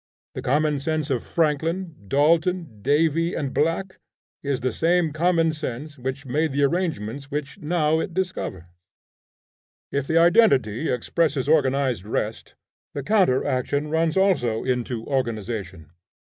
The common sense of Franklin, Dalton, Davy and Black, is the same common sense which made the arrangements which now it discovers. If the identity expresses organized rest, the counter action runs also into organization.